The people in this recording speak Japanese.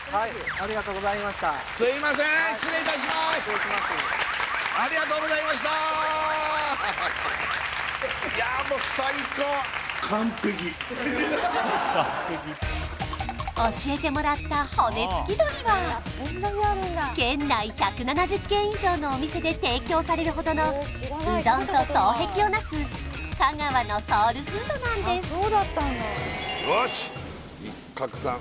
すいません失礼します教えてもらった骨付鳥は県内１７０軒以上のお店で提供されるほどのうどんと双璧をなす香川のソウルフードなんですよし一鶴さん